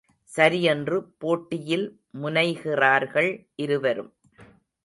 சரி என்று போட்டியில் முனைகிறார்கள் இருவரும்.